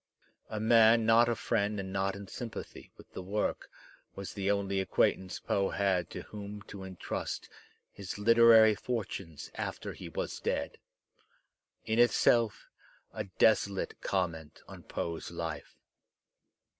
A man not a friend and not in sympathy with the work was the only acquaintance Poe had to whom to entrust his literary fortunes after he was dead — in itself a desolate comiment on Poe's life.